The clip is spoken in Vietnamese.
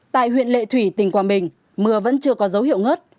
tại huyện lệ thủy tỉnh quảng bình mưa vẫn chưa có dấu hiệu ngớt